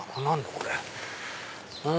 これ。